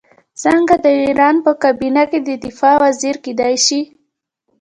څنګه د ایران په کابینه کې د دفاع وزیر کېدلای شي.